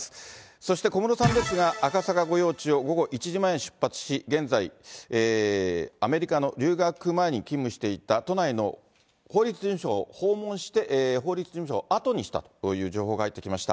そして小室さんですが、赤坂御用地を午後１時前に出発し、現在、アメリカの留学前に勤務していた都内の法律事務所を訪問して、法律事務所を後にしたという情報が入ってきました。